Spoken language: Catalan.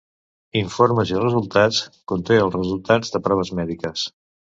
“Informes i resultats” conté els resultats de proves mèdiques.